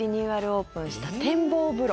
オープンした展望風呂。